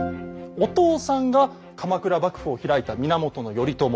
お父さんが鎌倉幕府を開いた源頼朝。